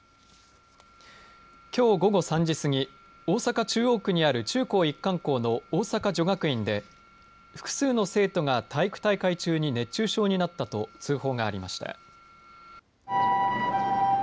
きょう午後３時過ぎ大阪、中央区にある中高一貫校の大阪女学院で複数の生徒が体育大会中に熱中症になったと通報がありました。